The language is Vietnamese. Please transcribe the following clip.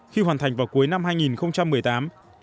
khi hoàn thành vào cuối năm hai nghìn một mươi tám